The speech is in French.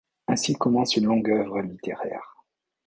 Ainsi commence une longue œuvre littéraire.